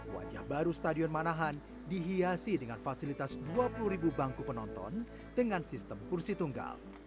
wajah baru stadion manahan dihiasi dengan fasilitas dua puluh ribu bangku penonton dengan sistem kursi tunggal